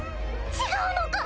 違うのか？